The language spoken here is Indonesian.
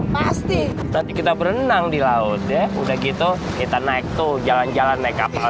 pasti nanti kita berenang di laut ya udah gitu kita naik tuh jalan jalan naik kapal